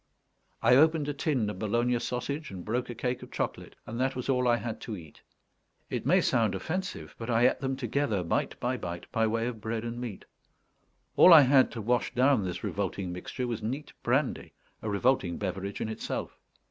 I opened a tin of Bologna sausage, and broke a cake of chocolate, and that was all I had to eat. It may sound offensive, but I ate them together, bite by bite, by way of bread and meat. All I had to wash down this revolting mixture was neat brandy: a revolting beverage in itself.